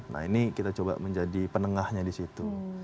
nah ini kita coba menjadi penengahnya di situ